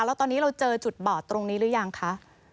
แล้วตอนนี้เราเจอจุดบอดตรงนี้หรือยังคะ